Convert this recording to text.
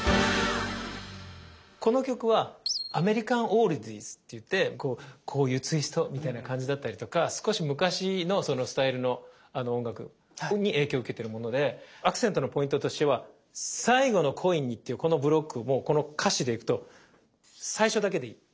この曲はアメリカン・オールディーズって言ってこういうツイストみたいな感じだったりとか少し昔のそのスタイルの音楽に影響受けてるものでアクセントのポイントとしては「最後のコインに」っていうこのブロックもうこの歌詞でいくと最初だけでいい。